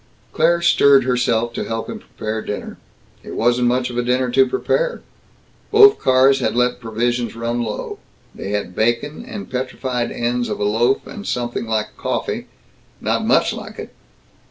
Claire stirred herself to help him prepare dinner. It wasn't much of a dinner to prepare. Both cars had let provisions run low. They had bacon and petrified ends of a loaf and something like coffee not much like it.